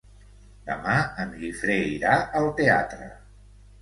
Demà en Guifré irà al teatre.